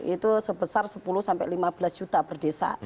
itu sebesar sepuluh sampai lima belas juta per desa